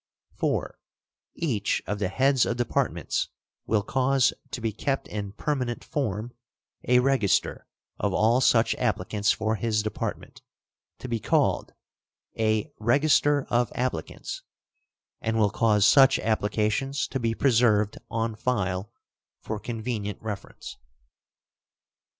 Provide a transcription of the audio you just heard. (4) Each of the heads of Departments will cause to be kept in permanent form a register of all such applicants for his Department, to be called a "Register of applicants," and will cause such applications to be preserved on file for convenient reference.